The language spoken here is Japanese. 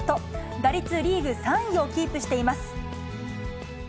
打率リーグ３位をキープしています。